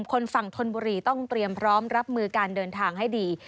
คนฝั่งธนบุรีต้องเตรียมพร้อมรับมือการเดินทางให้ดี